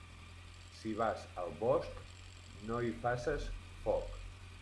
Si vas al bosc, no hi faces foc.